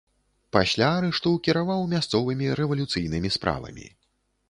Пасля арышту кіраваў мясцовымі рэвалюцыйнымі справамі.